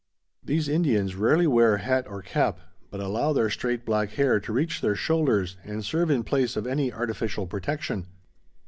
These Indians rarely wear hat or cap, but allow their straight black hair to reach their shoulders and serve in place of any artificial protection.